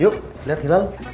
yuk liat hilal